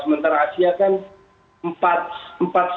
antara asia kan empat lima lah